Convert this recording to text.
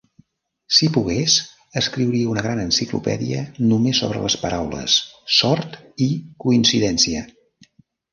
Si pogués, escriuria una gran enciclopèdia només sobre les paraules "sort" i "coincidència".